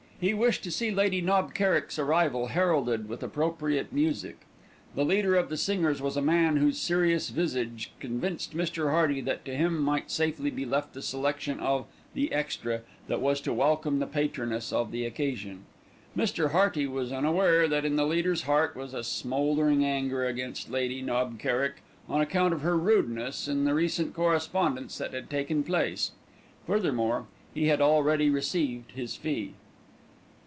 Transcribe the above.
He wished to see Lady Knob Kerrick's arrival heralded with appropriate music. The leader of the singers was a man whose serious visage convinced Mr. Hearty that to him might safely be left the selection of "the extra" that was to welcome the patroness of the occasion. Mr. Hearty was unaware that in the leader's heart was a smouldering anger against Lady Knob Kerrick on account of her rudeness in the recent correspondence that had taken place. Furthermore, he had already received his fee.